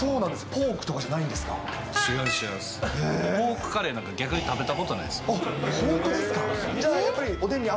ポークカレーなんか、逆に食べたことないです。